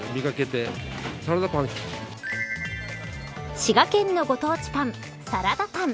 滋賀県のご当地パンサラダパン。